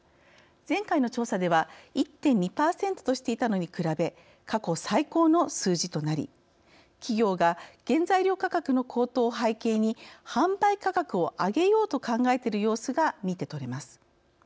前回の調査では１．２％としていたのに比べ過去最高の数字となり企業が原材料価格の高騰を背景に販売価格を上げようと考えている様子が見てとれます。